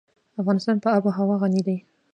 افغانستان په آب وهوا غني دی.